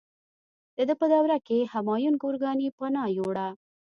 د ده په دوره کې همایون ګورکاني پناه یووړه.